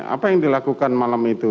apa yang dilakukan malam itu